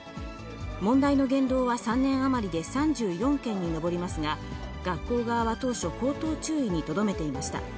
問題の言動は３年余りで３４件に上りますが、学校側は当初、口頭注意にとどめていました。